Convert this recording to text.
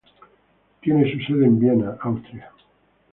Tiene su sede en Viena, Austria.